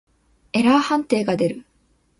エラー判定が出る。